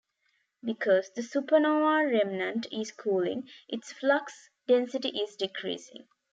Because the supernova remnant is cooling, its flux density is decreasing.